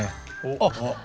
あっ！